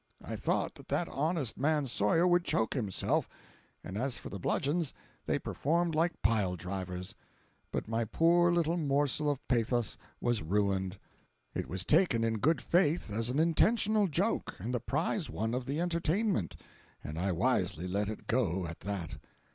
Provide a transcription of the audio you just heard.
I thought that that honest man Sawyer would choke himself; and as for the bludgeons, they performed like pile drivers. But my poor little morsel of pathos was ruined. It was taken in good faith as an intentional joke, and the prize one of the entertainment, and I wisely let it go at that.